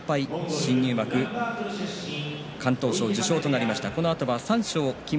新入幕、金峰山敢闘賞受賞となりました。